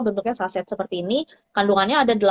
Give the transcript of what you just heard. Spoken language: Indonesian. bentuknya saset seperti ini kandungannya ada